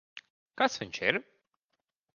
Kas viņš ir?